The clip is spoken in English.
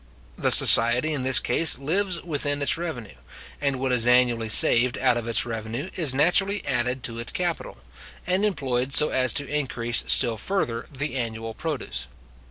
The society in this case lives within its revenue; and what is annually saved out of its revenue, is naturally added to its capital, and employed so as to increase still further the annual produce.